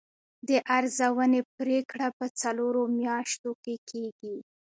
د ارزونې پریکړه په څلورو میاشتو کې کیږي.